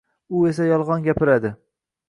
U esa yolg`on gapiradi